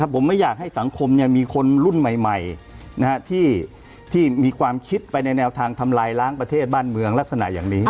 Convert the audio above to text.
ผมไม่อยากให้สังคมมีคนรุ่นใหม่ที่มีความคิดไปในแนวทางทำลายล้างประเทศบ้านเมืองลักษณะอย่างนี้